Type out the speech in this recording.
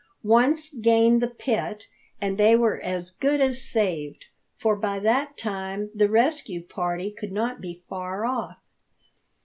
Once gain the pit, and they were as good as saved; for by that time the rescue party could not be far off.